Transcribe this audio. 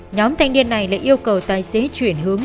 nhóm thanh niên này lại yêu cầu tài xế chuyển hướng